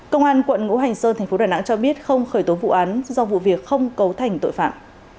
công an quận ngũ hành sơn thành phố đà nẵng cho biết không khởi tố vụ án do vụ việc không cấu thành tội phạm